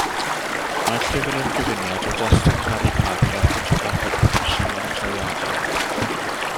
Mae'r llyfr yn gyfuniad o destun Harri Parri a ffotograffau proffesiynol, trawiadol.